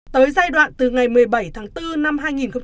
tới giai đoạn từ ngày một mươi bảy tháng bốn năm hai nghìn một mươi chín